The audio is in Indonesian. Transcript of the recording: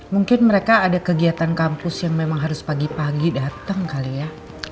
mungkin mereka ada kegiatan kampus yang memang harus pagi pagi datang kali ya